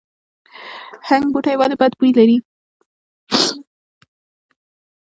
هنګ بوټی ولې بد بوی لري؟